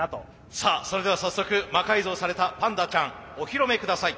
さあそれでは早速魔改造されたパンダちゃん御披露目ください。